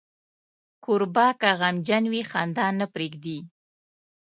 کوربه که غمجن وي، خندا نه پرېږدي.